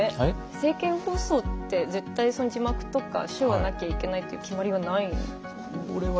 政見放送って絶対字幕とか手話なきゃいけないという決まりはないんですね。